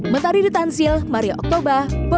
mentari di tansil mario oktober bogor